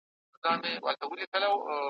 دا خیرنه ګودړۍ چي وینې دام دی `